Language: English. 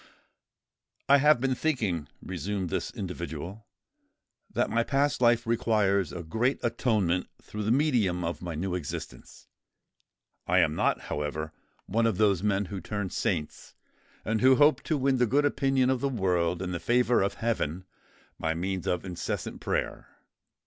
"I have been thinking," resumed this individual, "that my past life requires a great atonement through the medium of my new existence. I am not, however, one of those men who turn saints, and who hope to win the good opinion of the world and the favour of heaven by means of incessant prayer.